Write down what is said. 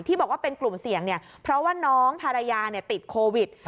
บอกว่าเป็นกลุ่มเสี่ยงเนี่ยเพราะว่าน้องภรรยาติดโควิด